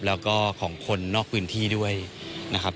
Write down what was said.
แล้วก็ของคนนอกพื้นที่ด้วยนะครับ